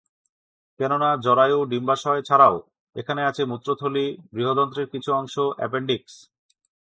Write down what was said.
কেননা জরায়ু, ডিম্বাশয় ছাড়াও এখানে আছে মূত্রথলি, বৃহদন্ত্রের কিছু অংশ, অ্যাপেনডিক্স।